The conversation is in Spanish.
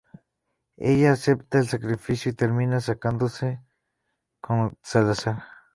Ella acepta el sacrificio y termina casándose con Salazar.